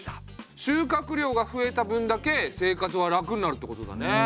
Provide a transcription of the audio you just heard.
収穫量が増えた分だけ生活は楽になるってことだね。